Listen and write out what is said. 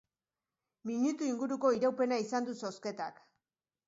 Minutu inguruko iraupena izan du zozketak.